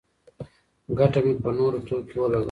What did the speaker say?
ګټه مې په نوو توکو کې ولګوله.